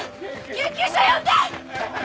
救急車呼んで！